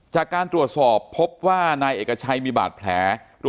จากการตรวจสอบพบว่านายเอกชัยมีบาดแผล